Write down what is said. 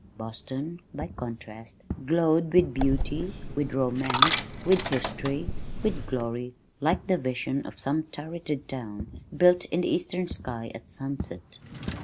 Boston, by contrast, glowed with beauty, with romance, with history, with glory like the vision of some turreted town built in the eastern sky at sunset.